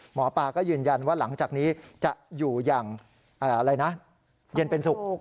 หมอปลาก็ยืนยันว่าหลังจากนี้จะอยู่อย่างอะไรนะเย็นเป็นสุข